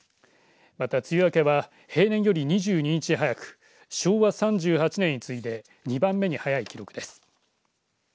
また梅雨明けは平年より２２日早く昭和３８年に次いで２番目に早い記録です。